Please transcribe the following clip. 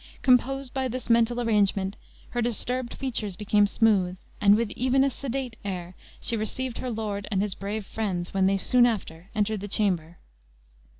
Composed by this mental arrangement, her disturbed features became smooth, and with even a sedate air she received her lord and his brave friends, when they soon after entered the chamber.